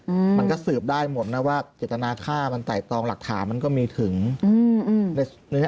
อืมมันก็สืบได้หมดนะว่าเจตนาค่ามันไต่ตองหลักฐานมันก็มีถึงอืมในเนื้อ